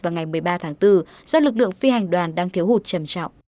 vào ngày một mươi ba tháng bốn do lực lượng phi hành đoàn đang thiếu hụt trầm trọng